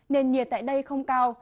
nền nhiệt tại đây không cao